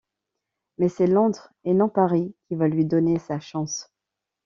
Mais c’est Londres, et non Paris qui va lui donner sa chance.